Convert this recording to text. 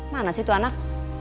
mana sih itu anak